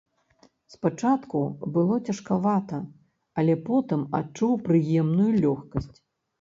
Спачатку было цяжкавата, але потым адчуў прыемную лёгкасць.